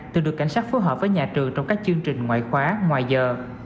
từ được cảnh sát phối hợp với nhà trường trong các chương trình ngoại khóa ngoại giờ